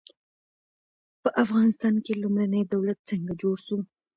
په افغانستان کې لومړنی دولت څنګه جوړ سو؟